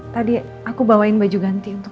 tadi aku bawain baju ganti untuk